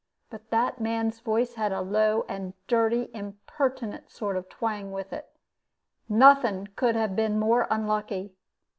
But that man's voice had a low and dirty impertinent sort of a twang with it. Nothing could have been more unlucky.